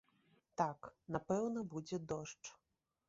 Так, напэўна, будзе дождж.